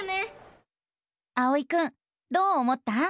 あおいくんどう思った？